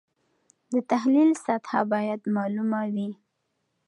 د تحلیل سطحه باید معلومه وي.